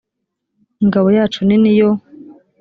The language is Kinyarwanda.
ingabo yacu nini yo